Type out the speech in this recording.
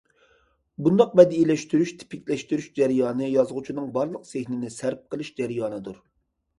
بۇنداق بەدىئىيلەشتۈرۈش، تىپىكلەشتۈرۈش جەريانى يازغۇچىنىڭ بارلىق زېھنىنى سەرپ قىلىش جەريانىدۇر.